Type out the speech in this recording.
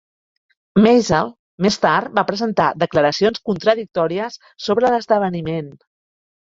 Mazel, més tard, va presentar declaracions contradictòries sobre l'esdeveniment.